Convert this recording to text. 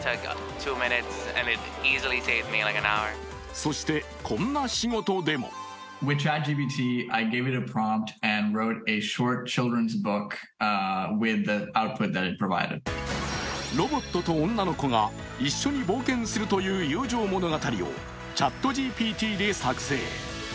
そしてこんな仕事でもロボットと女の子が一緒に冒険するという友情物語をＣｈａｔＧＰＴで作成。